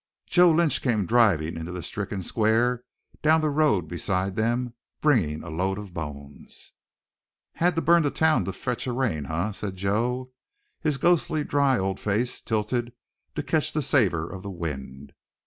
Joe Lynch came driving into the stricken square down the road beside them, bringing a load of bones. "Had to burn the town to fetch a rain, huh?" said Joe, his ghostly dry old face tilted to catch the savor of the wind.